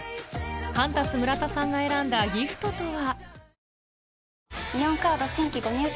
カンタス村田さんが選んだギフトとは？